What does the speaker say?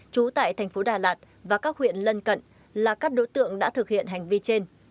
trú tại thành phố đà lạt và các huyện lân cận là các đối tượng đã thực hiện hành vi trên